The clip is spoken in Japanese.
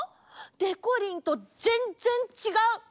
でこりんとぜんぜんちがう！